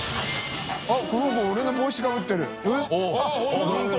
△この子俺の帽子かぶってる叩△本当！